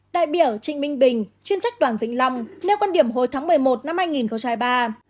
đại biểu trịnh minh bình chuyên trách đoàn vĩnh lâm nêu quan điểm hồi tháng một mươi một năm hai nghìn ba